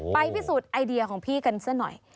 พิสูจน์ไอเดียของพี่กันซะหน่อย